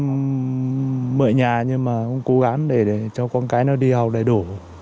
nó mở nhà nhưng mà cũng cố gắng để cho con cái nó đi học đầy đủ